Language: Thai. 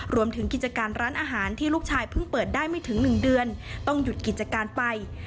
รวมถึงกิจการร้านอาหารที่ลูกชายเพิ่งเปิดได้ไม่ถึง๑เดือนต้องหยุดกิจการไป